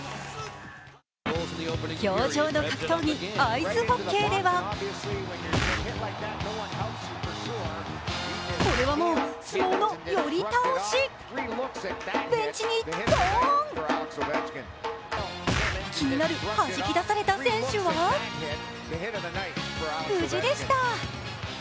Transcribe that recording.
氷上の格闘技アイスホッケーではこれは相撲の寄り倒しベンチに気になるはじき出された選手は無事でした。